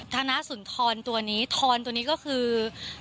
ธนสุนทรตัวนี้ทอนตัวนี้ก็คือ